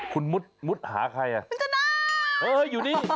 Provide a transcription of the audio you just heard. คุณมุดหาใคร